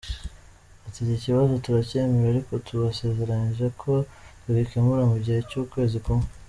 Ati" Iki kibazo turacyemera ariko tubasezeranije ko tugikemura mu gihe cy’ukwezi kumwe".